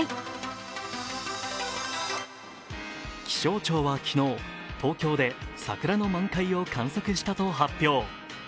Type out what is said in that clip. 気象庁は昨日東京で桜の満開を観測したと発表。